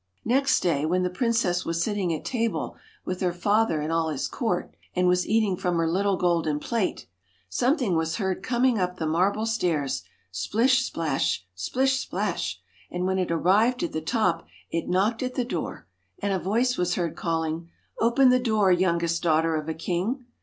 Next day, when the princess was sitting at table with her father and all his court, and was eating from her little golden plate, something was heard coming up the marble stairs, splish, splash ! splish, splash ! and when it arrived at the top, it knocked at the door, and a voice was heard calling :* Open the door, youngest daughter of a king